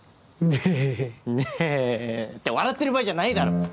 デヘヘヘって笑ってる場合じゃないだろ！